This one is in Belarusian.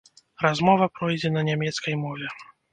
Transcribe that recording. Размова пройдзе на нямецкай мове.